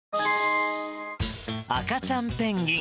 赤ちゃんペンギン。